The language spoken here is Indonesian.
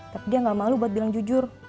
tapi dia gak malu buat bilang jujur